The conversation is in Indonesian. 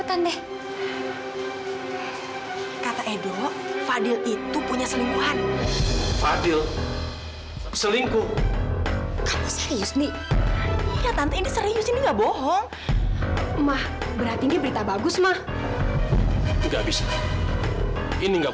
aku gak bakal biarin dia nyakitin